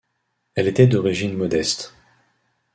Elle était d'origine modeste.